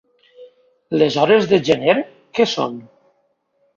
Les hores de gener què són?